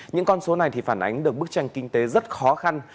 những con số này thì phản ánh được bức tranh kinh tế rất khó khăn